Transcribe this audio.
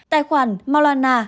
tài khoản malana